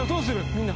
みんな。